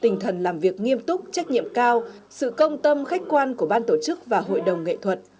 tinh thần làm việc nghiêm túc trách nhiệm cao sự công tâm khách quan của ban tổ chức và hội đồng nghệ thuật